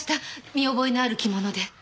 見覚えのある着物で。